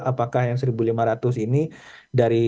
apakah yang seribu lima ratus ini